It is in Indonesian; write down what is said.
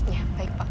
ya baik pak